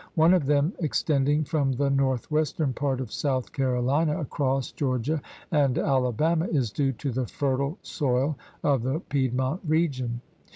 One of them, extending from the northwestern part of South Carohna across Georgia and Alabama, is due to the fertile soil of the Piedmont region.